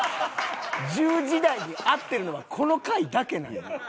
１０時台に合ってるのはこの回だけなんよ。